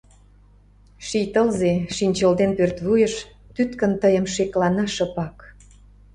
Ший тылзе, шинчылден пӧртвуйыш, тӱткын тыйым шеклана шыпак?